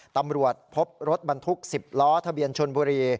ตำรวจพบรถบรรทุก๑๐ล้อทะเบียนชนบุรี